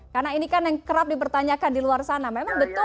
karena ini kan yang kerap dipertanyakan di luar sana memang betul